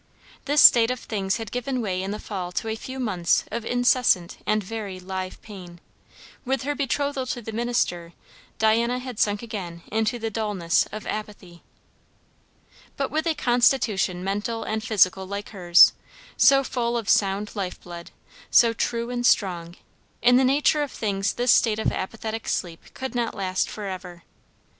This state of things had given way in the fall to a few months of incessant and very live pain; with her betrothal to the minister Diana had sunk again into the dulness of apathy. But with a constitution mental and physical like hers, so full of sound life blood, so true and strong, in the nature of things this state of apathetic sleep could not last for ever.